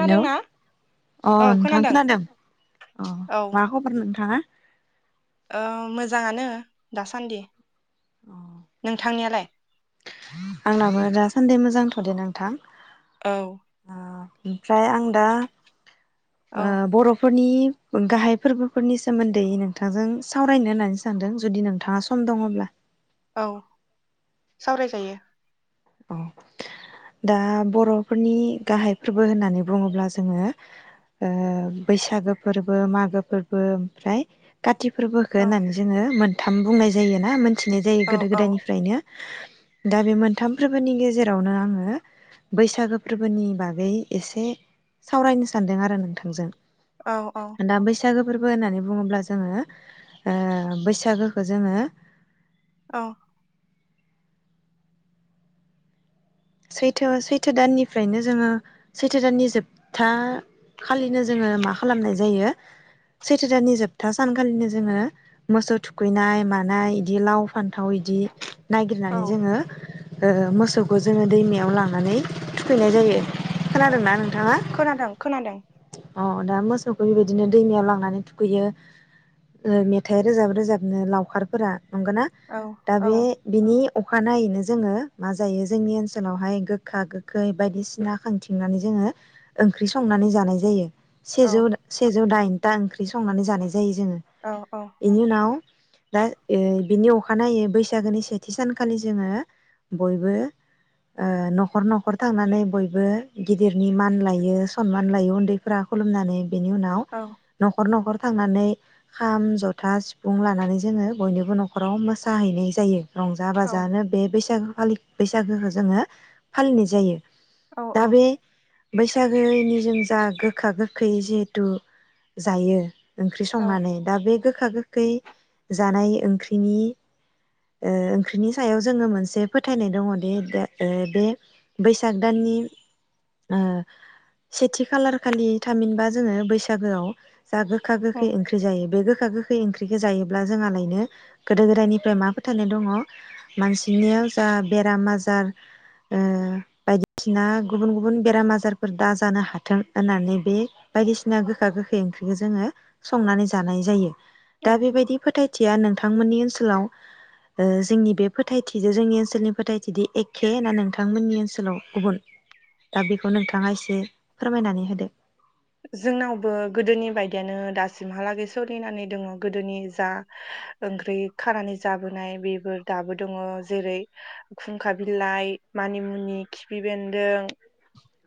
Hello अ नोंथां खोनादों अ औ मा खबर नोंथाङा? ओ मोजाङानो दासान्दि। अ नोंथांनियालाय? आंनाबो दासान्दि मोजांथ'दे नोंथां। औ। ओ ओमफ्राय आं दा ओ औ बर'फोर नि गाहाय फोरबोफोरनि सोमोन्दै नोंथांजों सावरायनो होननानै सानदों जुदि नोंथाङा सम दङब्ला। औ सावरायजायो। औ दा बर'फोरनि गाहाय फोरबो होननानै बुङोब्ला ओ जोङो बैसागो फोरबो मागो फोरबो ओमफ्राय खाथि फोरबोखो औ होननानै जोङो मोन थाम बुंनाय जायोना। मिथिनाय जायो औ गोदो औ गोदायनिफ्रायनो दा बे मोन थाम फोरबोनि गेजेरावनो आङो बैसागो फोरबोनि बागै एसे सावरायनो सानदों आरो नोंथांजों। औ औ। सागो फोरबो होन्नानै बुङोब्ला जोङो ओ बैसागोखौ जोङो औ। सैथो सैथो दाननिफ्रायनो जोङो सैथो दाननि जोबथा खालिनो जोङो मा खालामनाय जायो सैथो दाननि जोबथा सानखालिनो जोङो मोसौ थुखैनाय मानाय बिदि लाव फान्थाव इदि औ नागिरनानै जोङो ओ मोसौखौ जोङो दैमायाव लांनानै थुखैनाय औ जायो औ खोनादोंना नोंथाङा? खोनादों खोनादों अ दा मोसौखौ बेबायदिनो दैमायाव लांनानै थुखैयो मेथाइ रोजाब रोजाबनो लावखारफोरा। नंगोना औ दा औ बे बिनि अखानायैनो जोङो मा जायो जोंनि ओनसोलावहाय गोखा गोखै बायदिसिना खांथिंनानै जोङो ओंख्रि संनानै जानाय जायो। औ सेजौ सेजौ दाइन दा ओंख्रि संनानै जानाय जायो। जायो जोङो औ एनि उनाव दा ओ बिनि अखानायै बैसागोनि सेथि सानखालि जोङो बयबो ओ न'खर न'खर थांनानै बयबो गिदिरनि मान लायो सनमान लायो उन्दैफ्रा खुलुमनानै। बेनि उनाव औ न'खर न'खर थांनानै खाम, जथा, सिफुं लानानै जोङो बयनिबो न'खराव मोसाहैनाय जायो। रंजा औ बाजानो बे बैसागु फालि बैसागोखौ जोङो फालिनाय जायो। औ दा औ। बे बैसागोनि जों जा गोखा गोखै जिहेथु जायो। ओंख्रि औ संनानै दा बे गो खा गोखै जानाय ओंख्रिनि ओ ओंख्रिनि सायाव जोङो मोनसे फोथायनाय दङ दि दा ओ बे बैसाग दाननि ओ सेथि खालार खालि थामहिनबा जोङो बैसागोआव जा गोखा औ गोखै ओंख्रि जायो बे गो खा गोखै ओंख्रिखो जायोब्ला जोंहालायनो गोदो गोदायनिफ्राय मा फोथायनाय दङ मानसिनियाव जा बेराम आजार ओ बायदिसिना गुबुन गुबुन बेराम आजारफोर दा जानो हाथों होननानै बे बायदिसिना गोखा गोखै ओंख्रिखो जोङो संनानै जानाय जायो। दा बेबायदि फोथायथिया नों थांमोननि ओनसोलाव ओ जोंनि बे फोथायथिजों जोंनि ओनसोलनि फोथायथिदि एखे ना नोंथांमोननि ओनसोलाव गुबुन दा बेखौ नोंथाङा एसे फोरमायनानै होदो। जोंनावबो गोदोनि बायदियानो दासिमहालागै सोलिनानै दङ गोदोनि जा ओंख्रि खानानै जाबोनाय बेफोर दाबो दङ जेरै खुंखा बिलाइ, मानिमुनि, खिफि बेन्दों।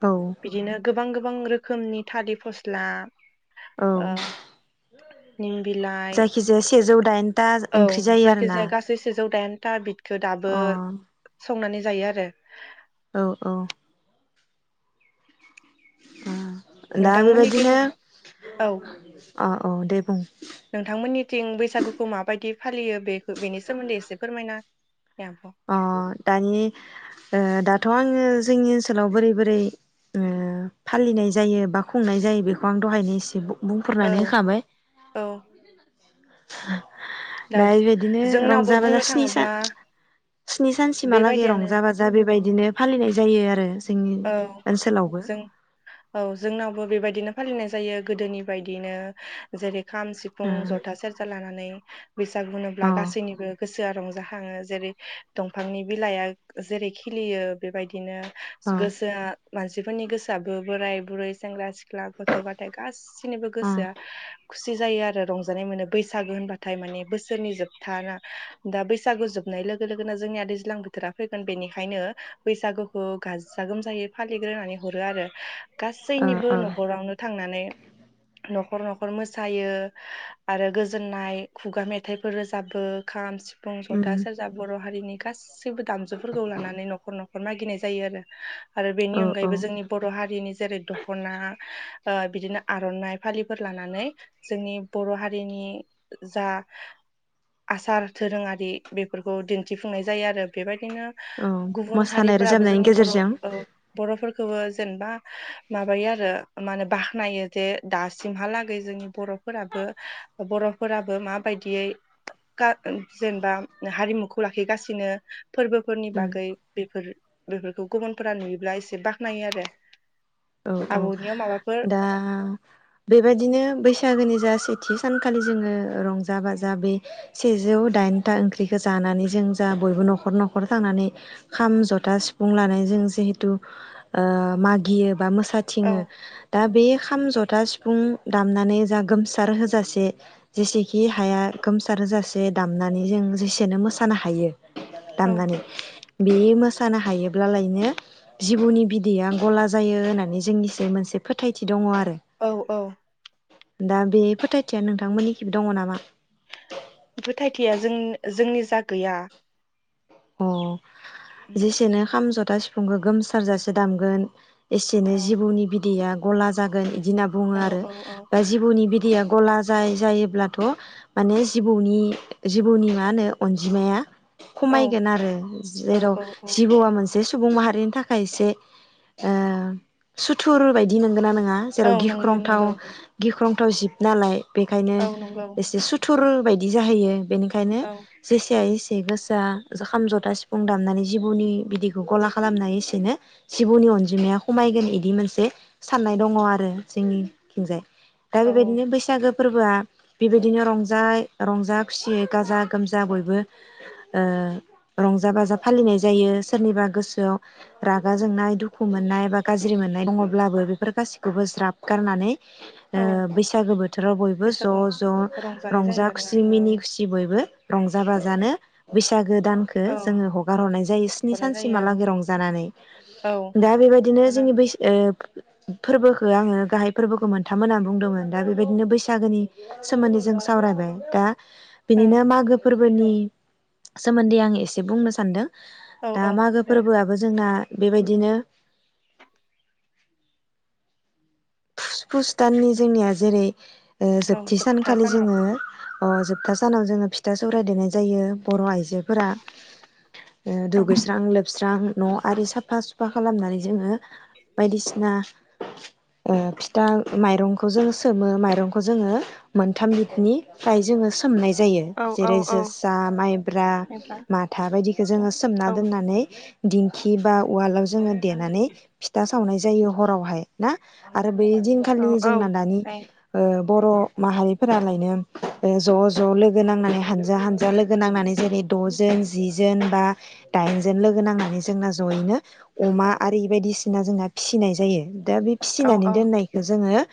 औ बिदिनो गोबां गोबां रो खोमनि थालि फस्ला औ अह। निम बिलाइ जायखिजाया सेजौ दाइन औ जाखिजाया गासै सेजौ दाइन। दा बि थो दाबो अ संनानै जायो आरो। औ औ। दा नोंथांमोननिथिं बेबायदिनो औ अ औ दे बुं नोंथांमोननिथिं बैसागुखौ माबायदि फालियो बे बेनि सोमोन्दै एसे फोरमायना होनाय आब' अ' दानि ओ दा थ' आङो जोंनि ओनसोलाव बोरै बोरै ओ फालिनाय जायो बा खुंनाय जायो बेखौ आं दहायनो एसे बु औ बुंफोरनानै होखाबाय। औ [inaudible] दा बेबायदिनो जोंनावबो रंजा बाजा बुंनो स्नि सान थाङोब्ला स्नि सानसिमहालागै बेबायदियानो रंजा बाजा बेबाय बेदिनो फालिनाय जायो आरो। जोंनि औ ओनसोलावबो जों औ जोंनावबो बेबायदिनो फालिनाय जायो गोदोनि बायदिनो जेरै खाम सिफुं अ जथा सेरजा लानानै। बैसागु होनोब्ला अ गासैनिबो गोस गोसोआ रंजाखाङो जेरै दंफांनि बिलाइआ जेरै खिलियो बेबायदिनो अ गोसोआ मानसिफोरनि गोसोआबो बोराय बुरै सेंग्रा सिख ख्ला गथ' गथाय गासिनिबो अ गोसोआ खुसि जायो आरो रंजानाय मोनो बैसागो होनबाथाय माने बोसोरनि जोबथा ना दा बैसागु जोबनाय लोगो लोगोनो जोंनिया दैज्लां बोथोरा फैगोन बेनिखायनो बैसागुखौ गाजा गोमजायै फालिग्रोनानै हरो आरो। गासैनिबो अ न'खरावनो थांनानै न'खर न'खर मोसायो आरो गोजोननाय खुगा मेथाइफोर रोजाबो खाम सिफ फुं ज'था सेरजा बर' हारिनि गासिबो दामजुफोरखौ लानानै न'खर न'खर मागिनाय जायो आरो। आरो अ बेनि औ औ अनगायैबो जोंनि बर' हारिनि जेरै दख'ना बिदिनो आर'नाइ फालिफोर लानानै जोंनि बर' हारिनि जा आसार दोरोङारि बेफोरखौ दिन्थिफुंनाय जायो आरो बेबायदि नो औ गुबुन हारि मोसानाय फोराबो रोजाबनायनि जोंनि बर' गेजेरजों बर'फोरखौबो जेनेबा माबायो आरो मा होनो बाख्नायो जे दासिमहालागै जोंनि बर'फोराबो बर'फोराबो माबायदियै खा जेनेबा हारिमुखौ लाखिगासिनो। फोरबोफोरनि उम बागै बेफोर बेफोरखौ गुबुनफोरा नुयोब्ला एसे बाख्नायो आरो। औ औ आबौनियाव माबाफोर दा बेबायाददिनो बैसागोनि जा सै थि सानखालि जोङो रंजा बाजा बे सेजौ दाइनथा ओंख्रिखौ जानानै जों जा बयबो न'खर न'खर थांनानै खाम जथा सिफुं लानानै जों जिहेथु ओ मागियो बा मोस औ थाथिङो दा बे खाम जथ था सिफुं दामनानै जा गोमसार होजासे जेसेखि हाया गोमसार होजासे दामनानै जों जेसेनो मोसानो हायो औ दामनानै बे मा सानो हायोब्लालायनो जिबौनि बिदैया गला जायो होननानै जोंनिसै मोनसे फोथायथि दङ आ औ औ दा बे फोथायथिया नोंथांमोननिखिबो दङ नामा? फोथायथिया जों जोंनि जा गैया। अ उम जेसेनो खाम जथ था सिफुंखौ गोमसारजासे दामगोन एसेनो औ जिबौनि बिदैया गला जागोन इ दिना बुङो औ आरो औ औ बा जिबौनि बिदैया गला जाय जायोब्लाथ' माने जिबौनि जिबौनि मा होनो अनजिमाया औ खुमाय सिगोन आरो औ जेराव औ औ जिबौआ मोन जे सुबुं माहारिनि थाखाय एसे ओ सुथुर बायदि नंगोना नं ङा औ जेराव नंगौ गिख्रंथाव नंगौ गिख्रं थाव जिब नालाय बेखायनो औ नंगौ एसे सुथु थुर बायदि जाहैयो बेनिखायनो औ जेसे हायो ए गोसा जा खाम जथा सिफुं दामनानै जिबौनि बिदिखौ गला खालामनाय एसेनो जिबौनि अनजिमाया खमायगोन इदि मोनसे साननाय दङ आरो जोंनिथिंजाय। दा बे औ बायदिनो बैसागो फोरबोआ बेबायदिनो रंजाय रंजा खुसियै गाजा गोमजा बयबो ओ रंजा बाजा फालिनाय जायो सोरनिबा गोसोआव रागा जोंनाय दुखु मोननाय बा गाज्रि मोननाय दङब्लाबो बेफोर गासिखौबो ज्राब गारनानै ओ औ बैसागो बोथोराव बयबो बैसागु ज' ज' रंजानाय जायो रंजा आरोना खुसि औ मिनि खुसि बयबो रंजा बाजानो बैसागो दान खो औ जोङो हगार हरनाय जायो स्नि हरनाय जायो सानसिमहालागै रंजानानै औ दा बेबायदिनो मोजां जोंनि बैस ओ फोरबोखौ आङो गाहाय फोरबोखौ मोनथाम होना बुंदोंमोन दा बेबायदिनो बैसागोनि सोमोन्दै जों सावरायबाय दा बिदिनो मागो फोर बोनि सोमोन्दै आं ए से बुंनो सान्दों औ दा औ मागो दे फोरबोआबो जोंना बे बायदिनो फुस फुस दाननि जोंनिया जेरै ओ औ जोबथि जोबथा सानखालि सानाव जोङो, अ जोबथा सानाव जोङो फिथा सौराय देनाय जायो बर' आइजोफोरा, ओ औ दुगैस्रां लोबस्रां न' आरि साफा सुफा खालामनानै जोङो बायदिसिना, ओ फिथा माइरंखौ जोङो सोमो माइरंखौ जोङो मोनथाम लिटनिफ्राय जोङो सोमनाय जायो औ औ जेरै औ जोसा माइब्रा बेनिफ्राय माथा बायदिखौ जोङो सोमना औ दोननानै, दिंखि बा उवालाव जोङो देनानै फिथा सावनाय जायो हरावहाय ना? आ बै औ दिनखालिनो औ जोंना दानि जायो ओ, बर' माहारिफोरालायनो ज' ज' लोगो नांनानै हानजा हानजा लोगो नांनानै जेरै द'जोन जि जोन बा दाइनजोन लोगो नांनानै जोंना ज'यैनो अमा आरि बायदिसिना जोंना फिसिनाय जायो दा बे, औ फिसिनानै औ दोननायखौ जोङो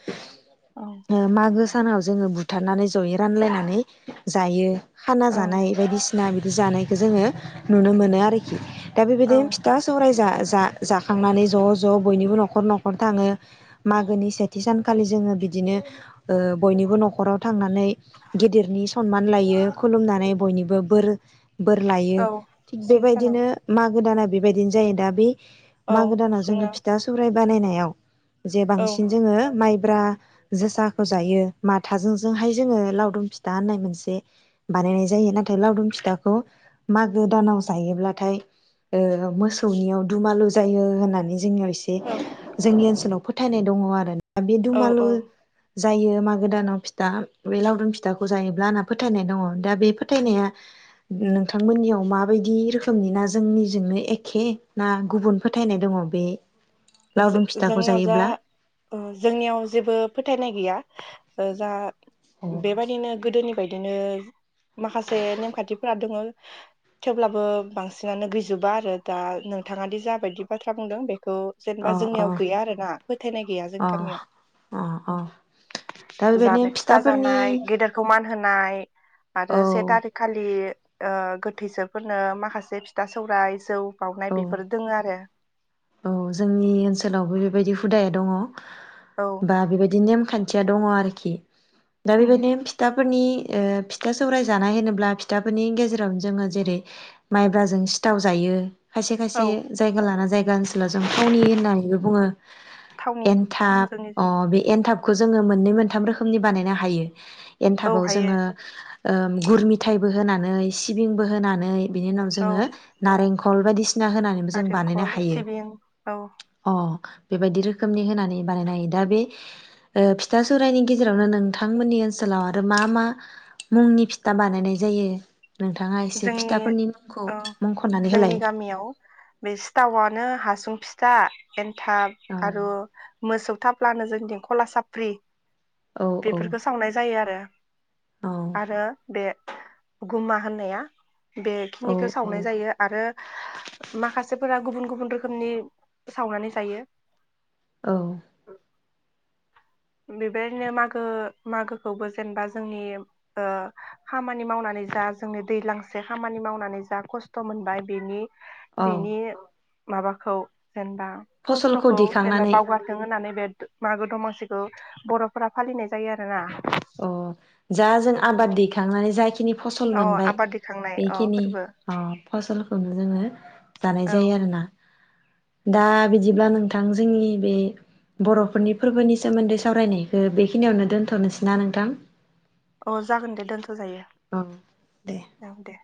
ओ मागो सानाव जोङो बुथारनानै जयै रानलायनानै जायो। खाना औ जानाय बायदिसिना बि जानायखो जोंङो नुनो मोनो आरोखि। दा औ बेबायदिनो फिथा सौराय जा जा जाखांनानै ज' ज' बयनिबो न'खर न'खर थाङो। मागोनि सेथि सानखालि जोङो बिदिनो ओ बयनिबो न'खराव थांनानै गिदिरनि खनमान लायो खुलुमनानै बयनिबो बोर बोर लायो औ थिग से सानाव बेबायदिनो मागो दाना बेबायदिनो जायो दा बे, औ मागो दाना जोङो जोंना फिथा सौराय बानायनायाव जे औ बांसिन जोङो माइ, ब्रा जोसाखौ जायो माथाजों जोंहाय लावदुम फिथाहोननाय मोनसे बानायनाय जायो, नाथाय लावदुम फिथाखौ मागो दानाव जायोब्लाथाय ओ मोसौनियाव दुमालु जायो होननानै जोंनियाव इसे औ जोंनि ओनस फोथायनाय दङ आरो आ बे औ दुमालु औ जायो मागो दानाव फिथा बे लावदुम फिथाखौ जायोब्ला आंना फोथायनाय दङ दा बे फोथायनाया नोंथांमोननियाव माबायदि रोखोमनि ना जोंनिजोंनो एखे ना गुबुन फोथायनाय दङ' बे जो लावदुम फिथाखौ जोंनियाव जा जायोब्ला ओ जोंनियाव जेबो फोथायनाय गै या ओ जा बेबायदिनो गोदोनि बायदिनो माखासे नेमखान्थिफोरा दोङो। थेवब्लाबो बांसिनानो गैजोबा आरो दा नोंथाङ दि जाबायदि बाथ्रा बुंदों बेखौ जेनेबा अ अ जोंनियाव गैया आरो ना फोथायनाय गैया अ जोंनि गामियाव अ दा अ बेबायदिनो जानो फिथा फिथाफोरनि जानाय गेदेरखौ मान होनाय। औ आरो से टारिक खालि ओ गोथैसोफोरनो माखासे फिथा सौराय जौ बाउनाय औ बेफोरो दोङो आरो औ जोंनि ओनसोलावबो बेबायदि हुदाया दङ'। बा बेबायदि नेम खान्थिया दङ आरोखि। दा औ बेबायदिनो फिथाफोरनि ओ फिथा सौराय जानाय होनोब्ला फिथाफोरनि गेजेरावनो जोङो जेरै माइब्राजों सिथाव जायो। खायसे खायसे औ जायगा लाना जायगानोसै। जों थावनि होनानैबो बुङो थावनि औ एनथाब अ जोंनिजों बे एन। एनथाबखौ जोङो मोनै मोनथाम रोखोमनि बानायनो हायो। औ एनथाबाव हायो जोङो। ओ गुर मिथायाइबो होनानै सिबिंबो होनानै। बिनि उनाव औ जोङो नारें खल सिना होनानैबो जों बानायनो नारेंखल हायो। सिबिं औ अ। बेबायदि रोखोमनि होनानै बानायनाय दा बे फिथा सौरायाइनि गेजेरावनो नोंथांमोननि ओनसोलाव आरो मा मा मुंनि फिथा बानायनाय जायो। नोंथाङा एसे जोंनि फिथाफोरनि मुंखौ औ मुंख'नानै जोंनि होलाय गामियाव बे सिथावनो हासुं फिथ दा। थाब औ आरो मोसौ। थाफ्ला होनो जोंनि थिं खला साफ्रि। औ औ बेफोरखौ सावनाय जायो आरो। औ आरो बे। गुमा होननाया। [inaudible] औ बेखिनिखौ सावनाय औ जायो आरो। माखासेफोरा गुबुन गुबुन रोखोमनि सावनानै जायो। बेबायदिनो मागो मागोखौबो जेनेबा जोंनि ओ खामानि मावनानै जा जोंनि दैज्लांसे खामानि मावनानै जा खस्थ' मोनबाय बेनि औ बिनि माबाखौ जेनेबा फसलखौ खस्थ'खौ जेनेबा दिखांनानै बावगारथों होननानै बे मागो दमासि। खौ बर'फोरा फालिनाय जायो आरोना। अ जा जों औ आबाद दैखांनानै जाखिनि। फसल औ मोनबाय आबाद दैखांनाय अ बेखिनि फोरबो अ फसल जोङो जानाय औ जायो आरोना। दा बिदिब्ला नोंथां जोंनि बे बर'फोरनि फोरबोनि सोमोन्दै सावरायनायखौ बेखिनियावनो दोनथ'नोसै। ना नोंथां। अ जागोन दे दोनथ' जायो औ दे। औ दे